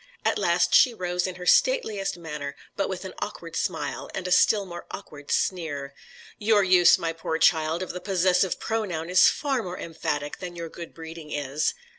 At last she rose in her stateliest manner, but with an awkward smile, and a still more awkward sneer. "Your use, my poor child, of the possessive pronoun is far more emphatic than your good breeding is."